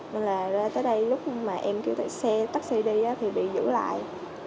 nên là ra tới đây lúc mà em kêu tải xe taxi đi